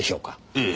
ええ。